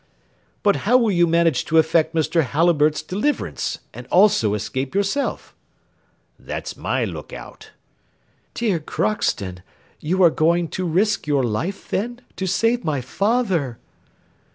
"But how will you manage to effect Mr. Halliburtt's deliverance, and also escape yourself?" "That's my look out." "Dear Crockston, you are going to risk your life then, to save my father!"